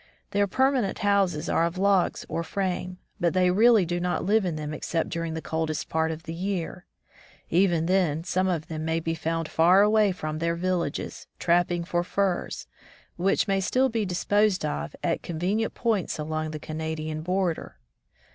Their permanent houses are of logs or frame, but they really do not live in them except during the coldest part of the year. Even then, some of them may be found far away fr^m their villages, trap ping for furs, which may still be disposed of at convenient points along the Canadian border.